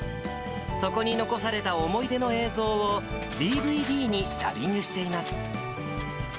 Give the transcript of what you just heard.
そこに残された思い出の映像を、ＤＶＤにダビングしています。